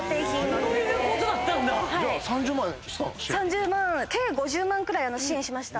３０万計５０万くらい支援しました。